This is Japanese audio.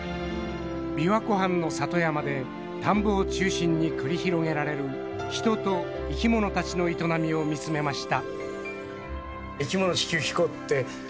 「琵琶湖畔の里山で田んぼを中心に繰り広げられる人と生きものたちの営みを見つめました」。